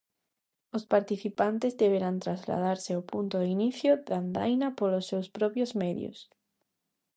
Os participantes deberán trasladarse ao punto de inicio da andaina polos seus propios medios.